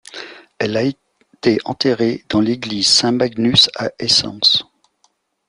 Elle a été enterrée dans l'église Saint Magnus à Esens.